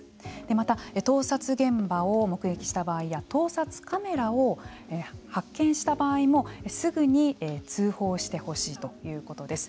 また盗撮現場を目撃した場合や盗撮カメラを発見した場合もすぐに通報してほしいということです。